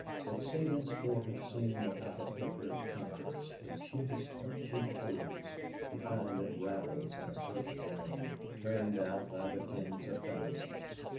But Sabinsport had seen without a flicker of conscience the cheapest of cheap hose, the kind that ravels at a first wearing, turned out by the tens of thousands.